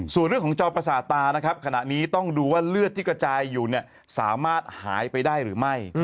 ส่วนเรื่องของจอประสาทตานะครับขณะนี้ต้องดูว่าเลือดที่กระจายอยู่เนี่ยสามารถหายไปได้หรือไม่